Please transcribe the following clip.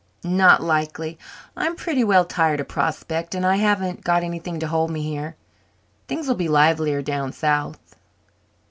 "Not likely. I'm pretty well tired of Prospect and I haven't got anything to hold me here. Things'll be livelier down south."